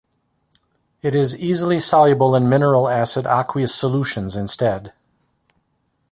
It is easy soluble in mineral acid aqueous solutions instead.